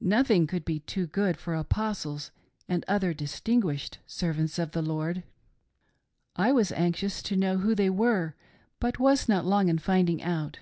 Nothing could be too good for Apostles and other "distinguished" servants of the Lord. I was anxious to know who they were, but was not long, in '•THE PROPHETS PROPHESY FALSELY. 31 7. finding out.